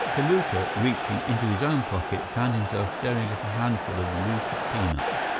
Kamuka, reaching into his own pocket, found himself staring at a handful of loose peanuts.